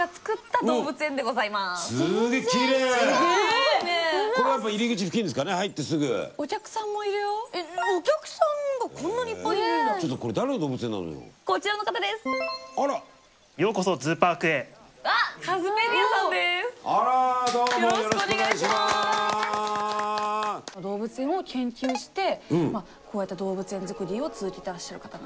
動物園を研究してこうやって動物園作りを続けてらっしゃる方なんですね。